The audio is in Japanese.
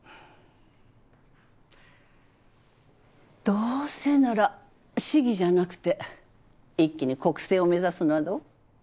どうせなら市議じゃなくて一気に国政を目指すのはどう？